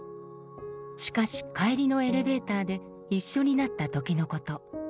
しかし帰りのエレベーターで一緒になった時のこと。